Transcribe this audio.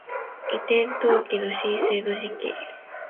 移転登記の申請の時期